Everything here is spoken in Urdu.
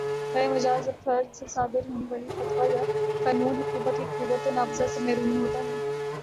غیر مجاز فرد سے صادر ہونے والا فتویٰ یا قانون حکومت کی قوتِ نافذہ سے محروم ہوتا ہے